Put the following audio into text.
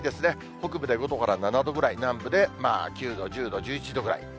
北部で５度から７度ぐらい、南部で９度、１０度、１１度ぐらい。